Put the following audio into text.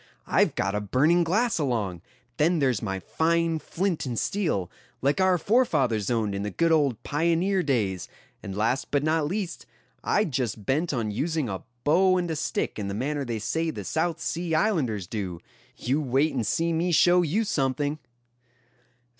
I've got a burning glass along; then there's my fine flint and steel, like our forefathers owned in the good old pioneer days; and last but not least, I'd just bent on using a bow and a stick in the manner they say the South Sea islanders do. You wait and see me show you something."